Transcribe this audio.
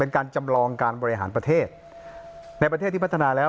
การจำลองการบริหารประเทศในประเทศที่พัฒนาแล้ว